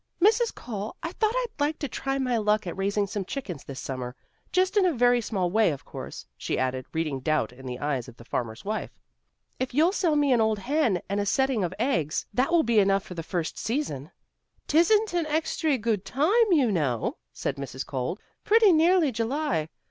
"Mrs. Cole, I thought I'd like to try my luck at raising some chickens this summer. Just in a very small way, of course," she added, reading doubt in the eyes of the farmer's wife. "If you'll sell me an old hen and a setting of eggs, that will be enough for the first season." "'Tisn't an extry good time, you know," said Mrs. Cole. "Pretty near July.